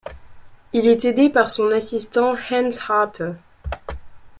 Il est aidé par son assistant Anse Harper.